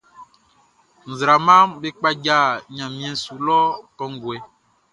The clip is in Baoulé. Nzraamaʼm be kpaja ɲanmiɛn su lɔ kɔnguɛ.